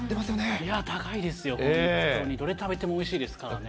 高いですよ、本当にどれ食べてもおいしいですからね。